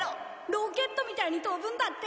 ロケットみたいに飛ぶんだって。